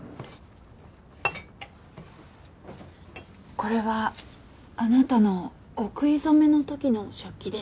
これはあなたのお食い初めの時の食器です。